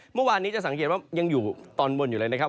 เมื่อวานนี้จะสังเกตว่ายังอยู่ตอนบนอยู่เลยนะครับ